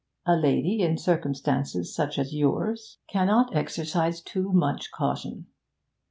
A lady in circumstances such as yours cannot exercise too much caution.